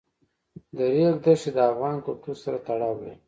د ریګ دښتې د افغان کلتور سره تړاو لري.